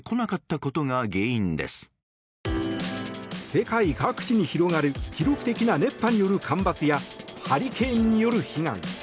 世界各地に広がる記録的な熱波による干ばつやハリケーンによる被害。